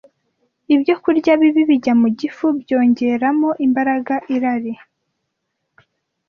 Ibyo kurya bibi bijya mu gifu byongerera imbaraga irari